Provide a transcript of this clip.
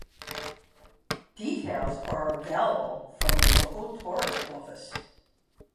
Details are available from the local tourist office.